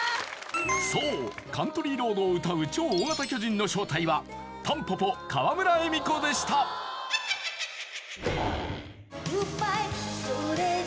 そう「カントリー・ロード」を歌う超大型巨人の正体はたんぽぽ川村エミコでしたグッバイ